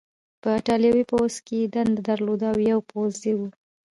په ایټالوي پوځ کې یې دنده درلودله او یو پوځي و.